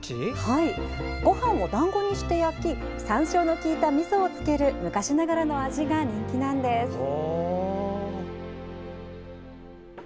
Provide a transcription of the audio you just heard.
ごはんを、だんごにして焼きさんしょうのきいた味噌をつける昔ながらの味が人気なんです。